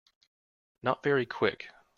Not very Quick.